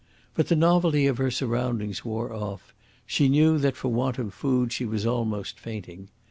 But the novelty of her surroundings wore off. She knew that for want of food she was almost fainting.